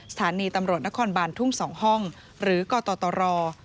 สถานีตำรวจนครบานทุ่ง๒ห้องหรือกตร